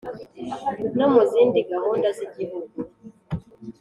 no mu zindi gahunda z'igihugu.